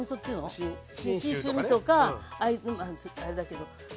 信州みそかあれだけど。